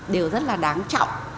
đều rất là đáng trọng